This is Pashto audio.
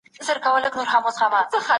کېدای سي کار ستونزي ولري.